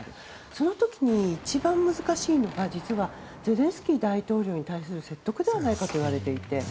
その時に一番難しいのがゼレンスキー大統領に対する説得ではないかといわれていて。